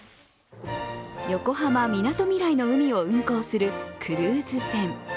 横浜・みなとみらいの海を運航するクルーズ船。